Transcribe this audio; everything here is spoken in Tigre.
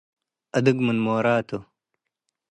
አድግ ምን ሞረ ቱ።